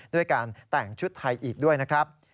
ด้วยการแต่งชุดไทยอีกด้วยนะครับ